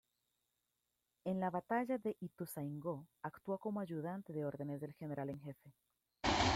En la batalla de Ituzaingó actuó como ayudante de órdenes del general en jefe.